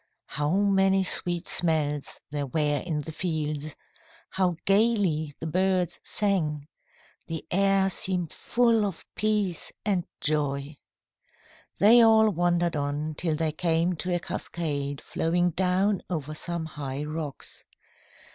How many sweet smells there were in the fields! How gaily the birds sang! The air seemed full of peace and joy. They all wandered on till they came to a cascade flowing down over some high rocks.